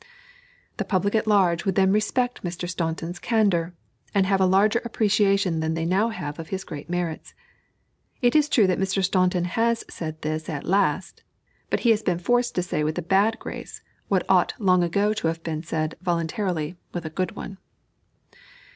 The public at large would then respect Mr. Staunton's candor, and have a larger appreciation than they now have of his great merits. It is true that Mr. Staunton has said this at last; but he has been forced to say with a bad grace what ought long ago to have been said voluntarily with a good one.